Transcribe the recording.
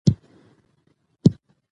د پښتو ژبې شاعري زموږ د ژوند کیسه ده.